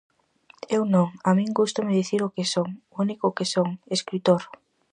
Eu non, a min gústame dicir o que son, o único que son, escritor.